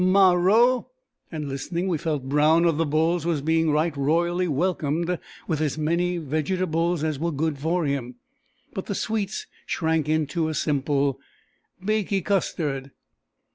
Mar row!" and listening, we felt Brown of the Bulls was being right royally welcomed with as many vegetables as were good for him. But the sweets shrank into a simple "bakee custard!"